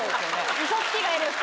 ウソつきがいる２人。